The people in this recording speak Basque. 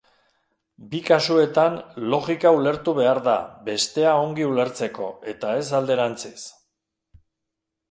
Bi kasuetan logika ulertu behar da bestea ongi ulertzeko, eta ez alderantziz.